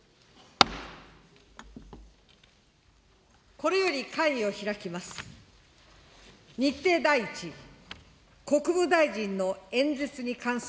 これより会議を開きます。